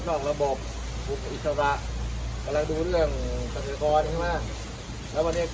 นอกระบบอุปกรณ์อิสระกำลังดูเรื่องสถานกรณ์ใช่ไหมแล้ววันนี้